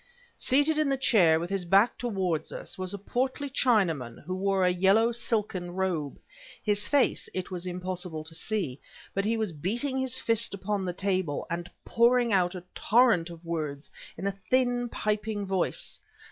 Seated in the chair, with his back toward us, was a portly Chinaman who wore a yellow, silken robe. His face, it was impossible to see; but he was beating his fist upon the table, and pouring out a torrent of words in a thin, piping voice.